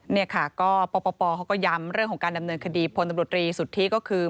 นี่ค่ะก็ปปเขาก็ย้ำเรื่องของการดำเนินคดีพลตำรวจรีสุทธิก็คือ